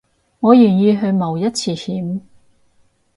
我願意去冒一次險